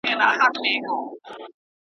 لویی وني دي ولاړي شنه واښه دي .